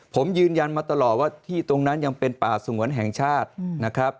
ผมยืนยันมาตลอดว่าที่ตรงนั้นยังเป็นป่าสงวนแห่งชาตินะครับ